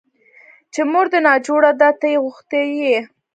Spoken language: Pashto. چې مور دې ناجوړه ده ته يې غوښتى يې.